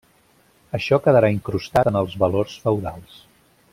Això quedarà incrustat en els valors feudals.